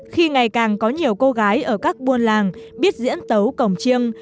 khi ngày càng có nhiều cô gái ở các buôn làng biết diễn tấu cổng chiêng